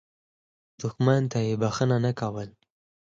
دښمن ته یې بخښنه نه کول.